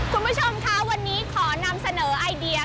คุณผู้ชมคะวันนี้ขอนำเสนอไอเดีย